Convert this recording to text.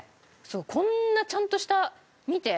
こんなちゃんとした見て。